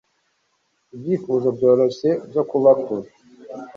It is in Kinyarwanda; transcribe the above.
Ibyifuzo byoroshye byo kuba kure